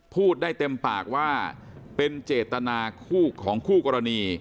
พูดได้เต็มปากว่าเป็นเจตนาคู่ของคู่กรณี